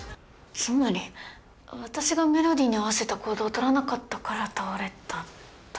つまり私がメロディーに合わせた行動をとらなかったから倒れたということですか？